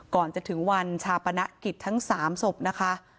ก่อนจะถึงวันชาปนกิจทั้ง๓ศพนะคะ